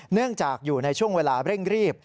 เนื่องจากอยู่ในช่วงเวลาเร่งรีบ